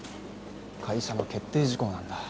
会社の決定事項なんだ。